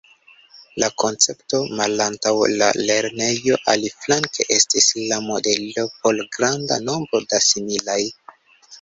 La koncepto malantaŭ la lernejo, aliflanke, estis la modelo por granda nombro da similaj.